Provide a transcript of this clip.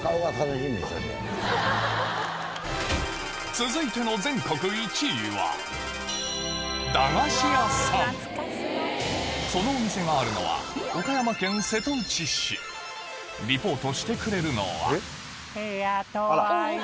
続いてのそのお店があるのはリポートしてくれるのは